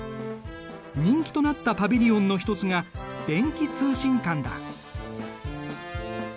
人気となったパビリオンの一つが電気通信館だ。